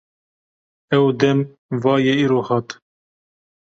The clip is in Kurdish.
Ew dem va ye îro hat.